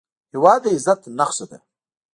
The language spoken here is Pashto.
هېواد د عزت نښه ده